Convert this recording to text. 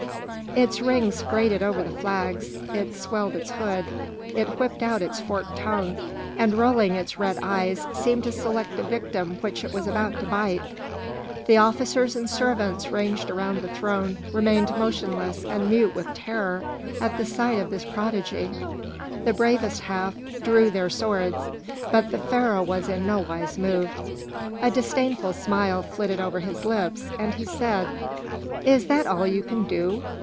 Its rings grated over the flags, it swelled its hood, it whipped out its forked tongue, and rolling its red eyes, seemed to select the victim which it was about to bite. The officers and servants ranged around the throne remained motionless and mute with terror at the sight of this prodigy; the bravest half drew their swords. But the Pharaoh was in no wise moved. A disdainful smile flitted over his lips, and he said, "Is that all you can do?